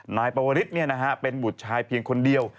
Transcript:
นายปวริสเป็นบุตรชายเพียงคนเดียว